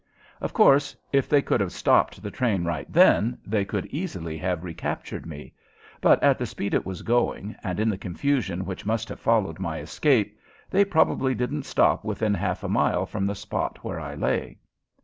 Of course, if they could have stopped the train right then, they could easily have recaptured me, but at the speed it was going and in the confusion which must have followed my escape, they probably didn't stop within half a mile from the spot where I lay.